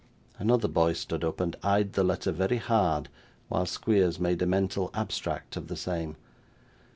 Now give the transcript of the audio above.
Another boy stood up, and eyed the letter very hard while Squeers made a mental abstract of the same.